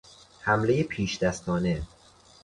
حملهی پیشدستانه